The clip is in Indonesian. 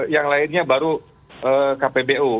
yang lainnya baru kpbu